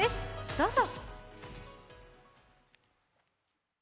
どうぞ。